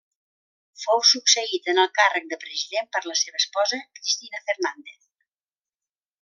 Fou succeït en el càrrec de president per la seva esposa, Cristina Fernández.